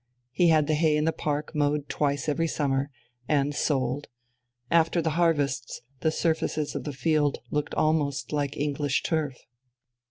He had the hay in the park mowed twice every summer and sold. After the harvests the surface of the fields looked almost like English turf.